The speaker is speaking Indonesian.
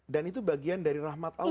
dan itu bagian dari rahmat allah